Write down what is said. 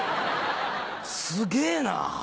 すげぇな！